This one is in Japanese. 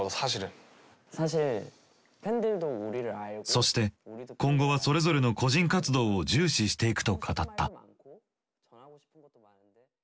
そして今後はそれぞれの個人活動を重視していくと語った。